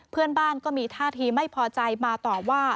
เพื่อนบ้านก็มีท่าทีไม่พอใจมาต่อว่า